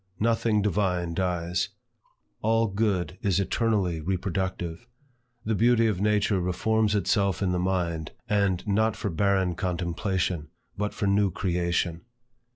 Nothing divine dies. All good is eternally reproductive. The beauty of nature reforms itself in the mind, and not for barren contemplation, but for new creation.